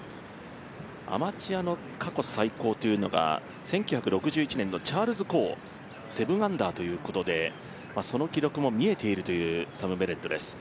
アマチュアの過去最高というのが１９６１年のチャールズ・コー、７アンダーということでその記録も見えているというサム・ベネットです。